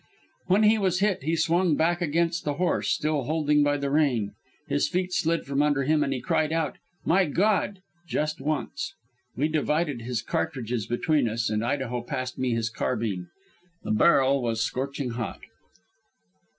When he was hit he swung back against the horse, still holding by the rein. His feet slid from under him, and he cried out, 'My God!' just once. We divided his cartridges between us and Idaho passed me his carbine. The barrel was scorching hot.